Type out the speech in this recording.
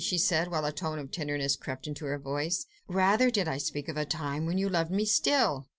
she said, while a tone of tenderness crept into her voice. "Rather did I speak of the time when you loved me still!